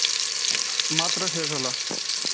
মাত্র শেষ হলো?